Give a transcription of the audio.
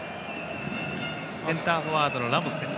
センターフォワードのラモスです。